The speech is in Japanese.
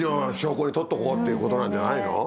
証拠に撮っとこうっていうことなんじゃないの？